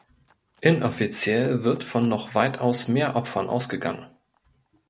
Inoffiziell wird von noch weitaus mehr Opfern ausgegangen.